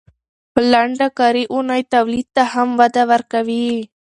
لنډه کاري اونۍ تولید ته هم وده ورکوي.